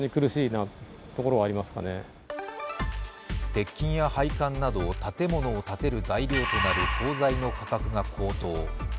鉄筋や配管など建物を建てる材料となる鋼材の価格が高騰。